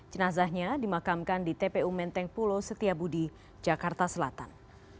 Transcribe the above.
jenazahnya dimakamkan di tpu menteng pulo setiabudi jakarta selatan